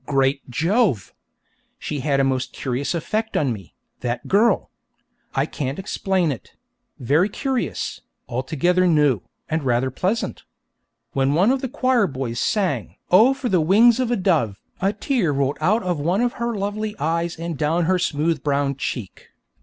Great Jove! She had a most curious effect on me, that girl! I can't explain it very curious, altogether new, and rather pleasant. When one of the choir boys sang 'Oh for the wings of a dove!' a tear rolled out of one of her lovely eyes and down her smooth brown cheek.